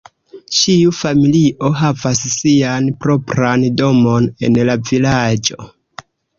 Ĉiu familio havas sian propran domon en la vilaĝo.